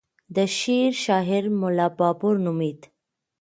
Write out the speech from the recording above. د شعر شاعر ملا بابړ نومېد.